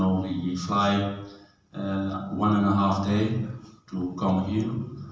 dan kita berlatih di stadion semalam